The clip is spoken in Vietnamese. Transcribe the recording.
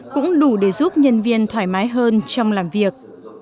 cũng đủ để giúp nhân viên thoải mái hơn trong làm việc